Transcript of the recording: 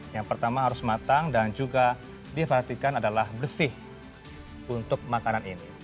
yang pertama harus matang dan juga diperhatikan adalah bersih untuk makanan ini